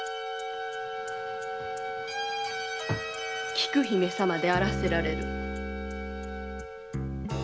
菊姫様であらせられる。